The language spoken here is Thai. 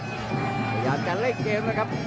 กล้องชิงดาวน์ก็พยายามจะเล่นเกมนะครับ